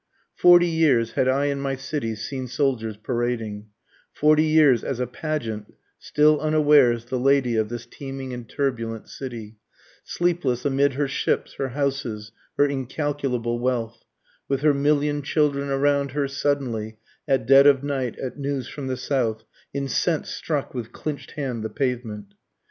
Forty years had I in my city seen soldiers parading, Forty years as a pageant, still unawares the lady of this teeming and turbulent city, Sleepless amid her ships, her houses, her incalculable wealth, With her million children around her, suddenly, At dead of night, at news from the south, Incens'd struck with clinch'd hand the pavement.